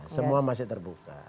semua masih terbuka